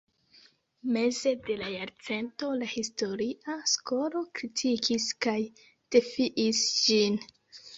Meze de la jarcento la historia skolo kritikis kaj defiis ĝin.